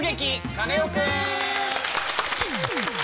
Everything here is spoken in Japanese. カネオくん」！